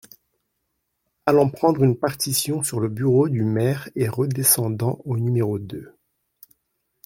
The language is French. Allant prendre une partition sur le bureau du maire et redescendant au n° deux.